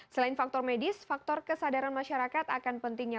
selain faktor medis faktor kesadaran masyarakat akan pentingnya